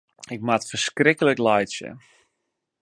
Ik moat ferskriklik laitsje.